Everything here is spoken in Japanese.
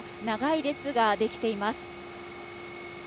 長い列が出来ています。